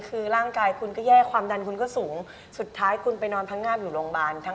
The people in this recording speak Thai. คือร่างกายคุณก็แย่ความดันคุณก็สูงสุดท้ายคุณไปนอนพังงาบอยู่โรงพยาบาล